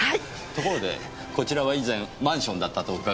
ところでこちらは以前マンションだったと伺いましたが。